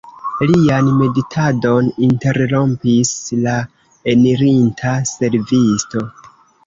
Lian meditadon interrompis la enirinta servisto.